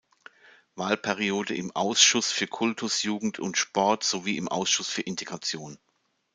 Wahlperiode im Ausschuss für Kultus, Jugend und Sport sowie im Ausschuss für Integration.